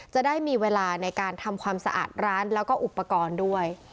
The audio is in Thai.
จะได้มีเวลาในการทำความสะอาดร้านแล้วก็อุปกรณ์ด้วย